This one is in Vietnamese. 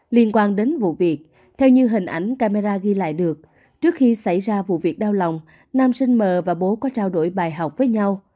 liên quan đến vụ việc theo như hình ảnh camera ghi lại được trước khi xảy ra vụ việc đau lòng nam sinh mờ và bố có trao đổi bài học với nhau